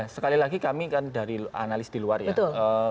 sekali lagi kami kan dari analis di luar ya